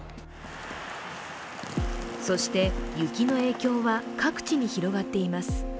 そして、雪の影響は各地に広がっています。